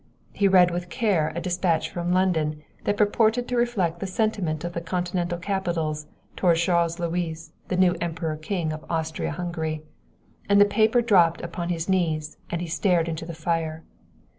He read with care a dispatch from London that purported to reflect the sentiment of the continental capitals toward Charles Louis, the new Emperor king of Austria Hungary, and the paper dropped upon his knees and he stared into the fire.